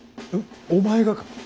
お前がか？